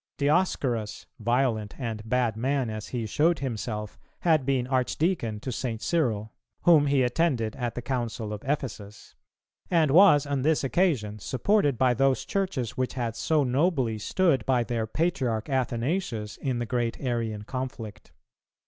Dioscorus, violent and bad man as he showed himself, had been Archdeacon to St. Cyril, whom he attended at the Council of Ephesus; and was on this occasion supported by those Churches which had so nobly stood by their patriarch Athanasius in the great Arian conflict.